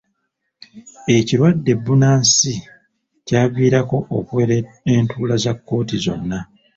Ekirwadde bbunansi kyaviirako okuwera entuula za kkooti zonna.